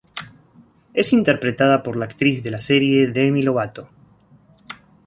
Es interpretada por la actriz de la serie Demi Lovato.